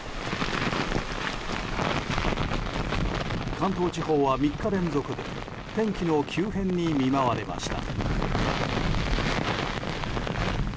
関東地方は３日連続で天気の急変に見舞われました。